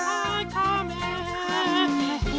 かめ。